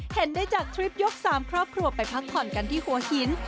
เห็นได้จากทริปยก๓ครอบครัวไปพักผ่อนกันที่หัวหิน